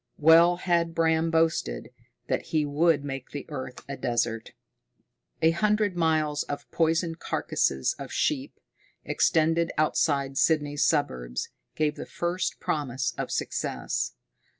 Well had Bram boasted that he would make the earth a desert! A hundred miles of poisoned carcasses of sheep, extended outside Sydney's suburbs, gave the first promise of success.